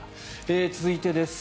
続いてです。